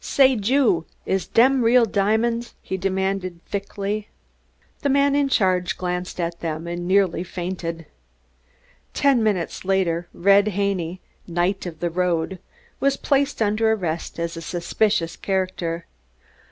"Say, Jew, is them real diamonds?" he demanded thickly. The man in charge glanced at them and nearly fainted. Ten minutes later Red Haney, knight of the road, was placed under arrest as a suspicious character.